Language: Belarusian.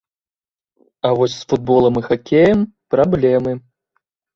А вось з футболам і хакеем праблемы.